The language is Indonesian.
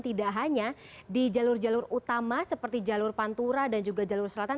tidak hanya di jalur jalur utama seperti jalur pantura dan jalan jalan jalan